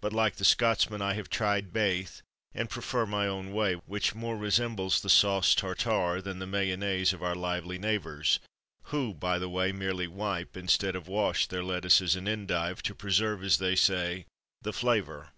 But, like the Scotsman, I have "tried baith," and prefer my own way, which more resembles the sauce Tartare, than the Mayonnaise of our lively neighbours, who, by the way, merely wipe, instead of wash, their lettuces and endive, to preserve, as they say, the flavour.